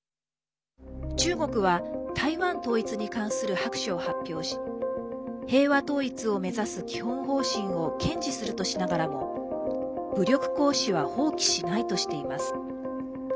中国は台湾統一に関する白書を発表し平和統一を目指す基本方針を堅持するとしながらも武力行使は放棄しないとしています。